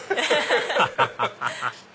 ハハハハ！